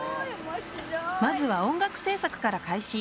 まずは音楽制作から開始